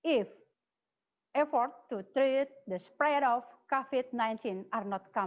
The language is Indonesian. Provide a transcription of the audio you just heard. ini penghantaran berdasarkan grup pendapatan